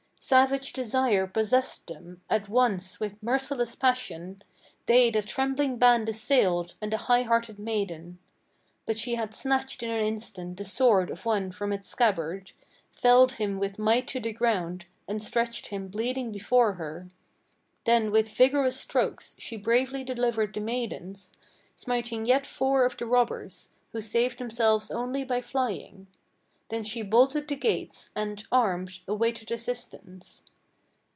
Savage desire possessed them; at once with merciless passion They that trembling band assailed and the high hearted maiden. But she had snatched in an instant the sword of one from its scabbard, Felled him with might to the ground, and stretched him bleeding before her. Then with vigorous strokes she bravely delivered the maidens, Smiting yet four of the robbers; who saved themselves only by flying. Then she bolted the gates, and, armed, awaited assistance."